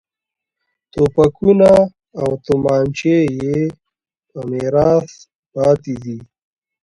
توپکونه او تومانچې یې په میراث پاتې دي.